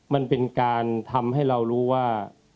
มันเป็นการทำให้เรารู้ว่า